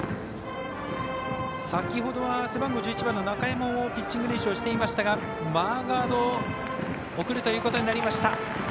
先ほどは、背番号１１番の中山もピッチング練習していましたがマーガードを送るということになりました。